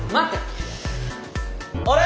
あれ？